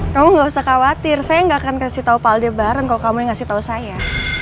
kamu nggak usah khawatir saya nggak akan kasih tahu pak aldebaran kalau kamu yang kasih tahu saya